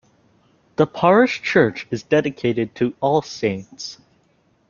The parish church is dedicated to All Saints.